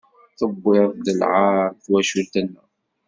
Tewwid-d lɛaṛ i twacult-nneɣ.